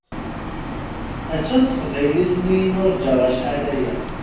Attan teqbaylit-nni i nuṛǧa acḥal aya!